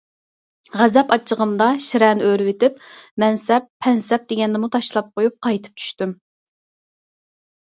غەزەپ ئاچچىقىمدا شىرەنى ئۆرۈۋېتىپ، مەنسەپ - پەنسەپ دېگەننىمۇ تاشلاپ قويۇپ قايتىپ چۈشتۈم.